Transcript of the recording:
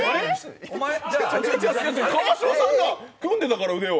違う、違う、川島さんが組んでたから、腕を。